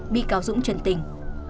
bị cáo dũng trân tình